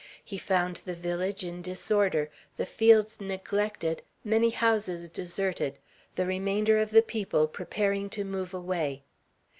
He found the village in disorder, the fields neglected, many houses deserted, the remainder of the people preparing to move away.